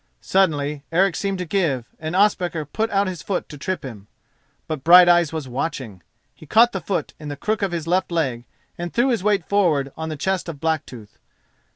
Suddenly, Eric seemed to give, and Ospakar put out his foot to trip him. But Brighteyes was watching. He caught the foot in the crook of his left leg, and threw his weight forward on the chest of Blacktooth.